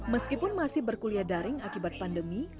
meskipun masih berkuliah daring akibat pandemi